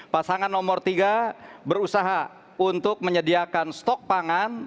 pasangan nomor tiga berusaha untuk menyediakan stok pangan